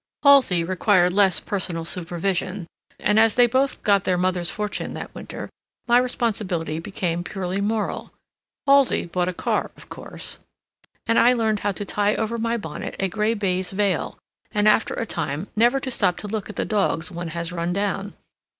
Halsey required less personal supervision, and as they both got their mother's fortune that winter, my responsibility became purely moral. Halsey bought a car, of course, and I learned how to tie over my bonnet a gray baize veil, and, after a time, never to stop to look at the dogs one has run down.